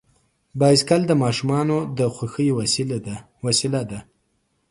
بایسکل د ماشومانو د خوښۍ وسیله ده.